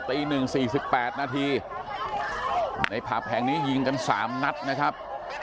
ตีหนึ่งสี่สิบแปดนาทีในพาแผงนี้ยิงกันสามนัดนะครับ